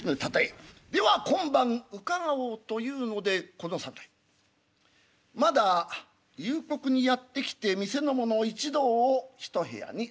では今晩伺おう」というのでこの侍まだ夕刻にやって来て店の者一同を一部屋に集める。